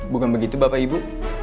bukan begitu bapak ibu